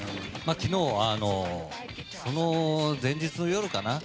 昨日は、その前日の夜かな